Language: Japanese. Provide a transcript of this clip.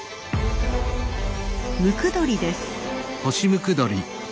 ムクドリです。